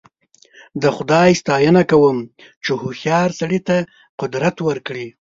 د خدای ستاینه کوم چې هوښیار سړي ته قدرت ورکړ.